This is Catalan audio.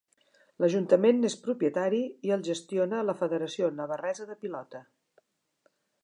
L'ajuntament n'és propietari i el gestiona la Federació Navarresa de Pilota.